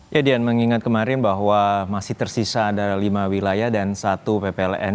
ya dian mengingat kemarin bahwa masih tersisa ada lima wilayah dan satu ppln